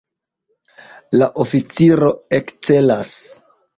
La oficiro ekcelas.